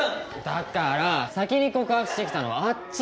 だから先に告白してきたのはあっち。